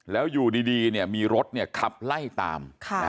แล้วอยู่ดีเนี่ยมีรถเนี่ยขับไล่ตาม